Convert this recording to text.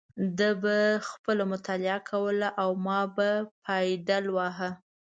ده به خپله مطالعه کوله او ما به پایډل واهه.